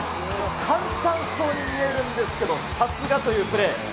簡単そうに見えるんですけど、さすがというプレー。